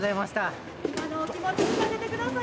気持ち、聞かせてください。